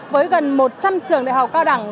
với gần một trăm linh trường đại học cao đẳng